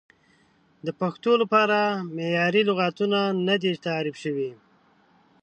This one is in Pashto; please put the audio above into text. د پښتو لپاره معیاري لغتونه نه دي تعریف شوي.